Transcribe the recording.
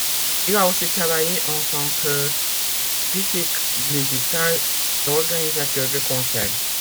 Il a aussi travaillé en tant que critique musical et organisateur de concerts.